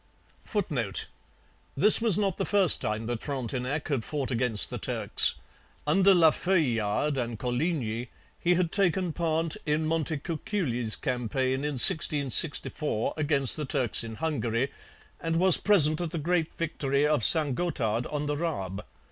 [Footnote: This was not the first time that Frontenac had fought against the Turks. Under La Feuillade and Coligny he had taken part in Montecuculli's campaign in 1664 against the Turks in Hungary, and was present at the great victory of St Gothard on the Raab.